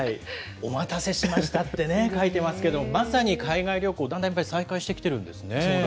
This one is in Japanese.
おまたせしましたってね、書いてますけれども、まさに海外旅行、だんだんやっぱり再開してきてるんですね。